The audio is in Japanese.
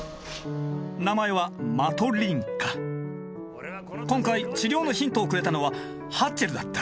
名前は今回治療のヒントをくれたのはハッチェルだった。